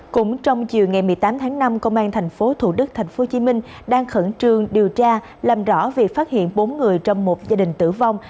cũng trong chiều ngày một mươi tám tháng năm công an tp thủ đức tp hcm đang khẩn trương điều tra làm rõ việc phát hiện bốn người trong một gia đình tử vong